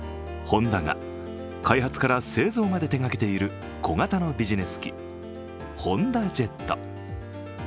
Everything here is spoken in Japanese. ホンダが開発から製造まで手がけている小型のビジネス機、ホンダジェット